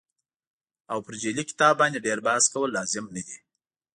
او پر جعلي کتاب باندې ډېر بحث کول لازم نه دي.